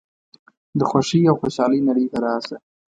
د خوښۍ او خوشحالۍ نړۍ ته راشه.